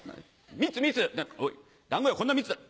「蜜蜜おい団子屋こんな蜜。